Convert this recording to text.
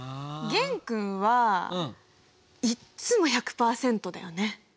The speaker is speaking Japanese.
玄君はいっつも１００％だよね。